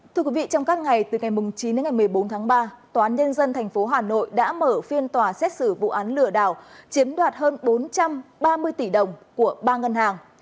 thưa quý vị trong các ngày từ ngày chín đến ngày một mươi bốn tháng ba tòa án nhân dân tp hà nội đã mở phiên tòa xét xử vụ án lừa đảo chiếm đoạt hơn bốn trăm ba mươi tỷ đồng của ba ngân hàng